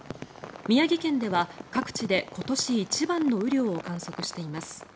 宮城県では各地で今年一番の雨量を観測しています。